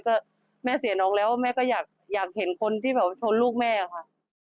ก็แม่เสียน้องแล้วแม่ก็อยากเห็นคนที่แบบชนลูกแม่ค่ะ